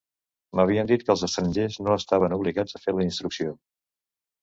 M'havien dit que els estrangers no estaven obligats a fer la «instrucció»